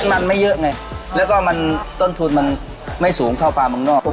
มันไม่เยอะไงแล้วก็มันต้นทุนมันไม่สูงเท่าปลาเมืองนอก